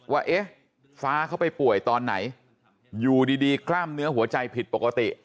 ว่าเอ๊ะฟ้าเขาไปป่วยตอนไหนอยู่ดีกล้ามเนื้อหัวใจผิดปกติ